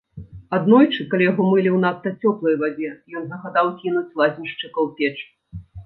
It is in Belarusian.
Аднойчы, калі яго мылі ў надта цёплай вадзе, ён загадаў кінуць лазеншчыка ў печ.